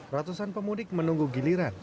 ratusan pemudik menunggu giliran